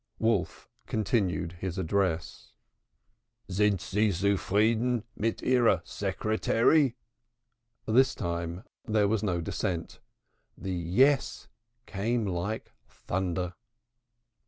Wolf continued his address. "Sind sie zufrieden mit ihrer Secretary?" This time there was no dissent. The "Yes" came like thunder.